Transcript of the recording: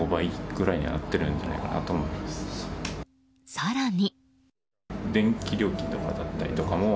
更に。